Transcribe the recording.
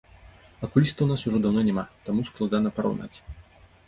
Акуліста ў нас ужо даўно няма, таму складана параўнаць.